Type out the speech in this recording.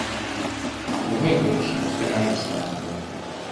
urwego rushinzwe na mashyamba